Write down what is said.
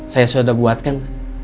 saya sudah buatkan